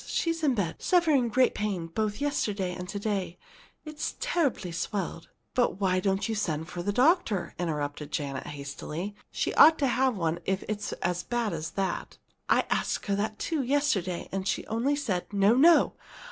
She's in bed suffering great pain both yesterday and to day. It's terribly swelled " "But why doesn't she send for a doctor?" interrupted Janet, hastily. "She ought to have one if it's as bad as that." "I asked her that, too, yesterday, and she only said: 'No, no!